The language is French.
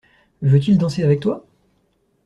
Veut-il danser avec toi?